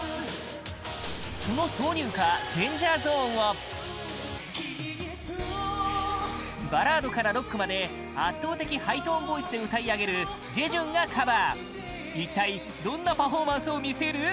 その挿入歌「ＤａｎｇｅｒＺｏｎｅ」をバラードからロックまで圧倒的ハイトーンボイスで歌い上げるジェジュンがカバー一体どんなパフォーマンスを見せる？